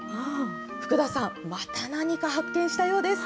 福田さん、また何か発見したようです。